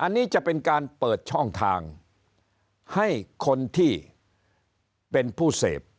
อันนี้จะเป็นการเปิดช่องทางให้คนที่เป็นผู้เสพ